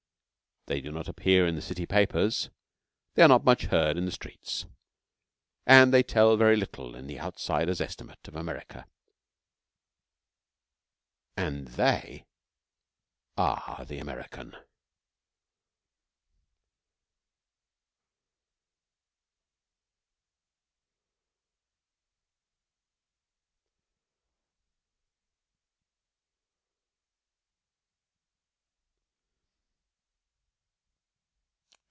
They do not appear in the city papers, they are not much heard in the streets, and they tell very little in the outsider's estimate of America. And they are the American.